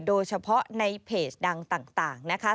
โดยเฉพาะในเพจดังต่างนะคะ